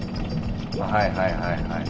はいはいはいはい。